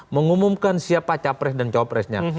mengumumkan siapa capres dan copresnya